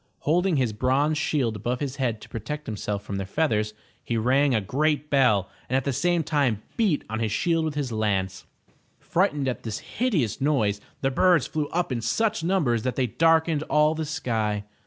Holding his bronze shield above his head to protect himself from their feathers, he rang a great bell and at the same time beat on his shield with his lance. Frightened at this hideous noise the birds flew up in such numbers that they darkened all the sky.